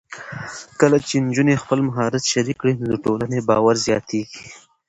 کله چې نجونې خپل مهارت شریک کړي، نو د ټولنې باور زیاتېږي.